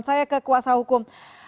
saya kekuasa hukum